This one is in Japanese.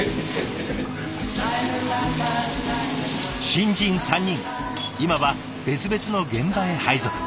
新人３人今は別々の現場へ配属。